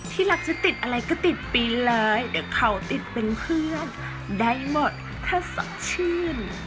ที่รักจะติดอะไรก็ติดปีนเลยเดี๋ยวเขาติดเป็นเพื่อนได้หมดถ้าสดชื่น